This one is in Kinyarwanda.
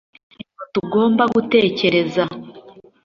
nicyo kintu tugomba gutekereza